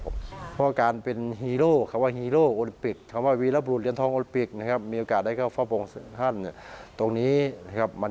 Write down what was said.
ผมยังเป็นคนดีแน่นอนครับ